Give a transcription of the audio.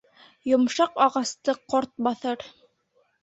Йомшаҡ ағасты ҡорт баҫыр